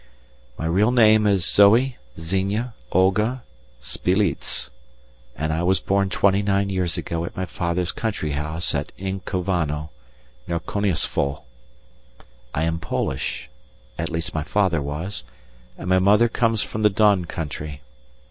My real name is Zoe Xenia Olga Sbeiliez, and I was born twenty nine years ago at my father's country house at Inkovano, near Koniesfol. I am Polish; at least, my father was, and my mother comes from the Don country.